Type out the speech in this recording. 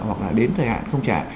hoặc là đến thời hạn không trả